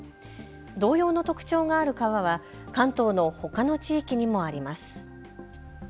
同様の特徴がある川は関東のほかの地域にもあります。